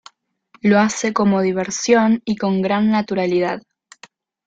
Lo hace como diversión y con gran naturalidad.